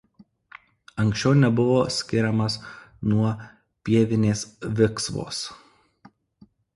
Anksčiau nebuvo skiriamas nuo pievinės viksvos.